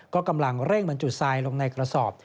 ก็กำลังเร่งบรรจุทรายลงในกระสอบ